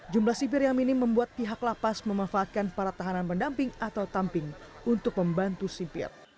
jumlah sipir yang minim membuat pihak lapas memanfaatkan para tahanan pendamping atau tamping untuk membantu sipir